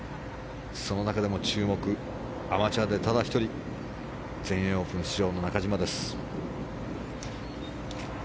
その中でも注目アマチュアでただ１人全英オープン出場の中島です。